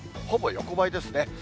ほぼ横ばいですね。